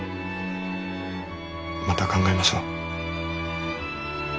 また考えましょう。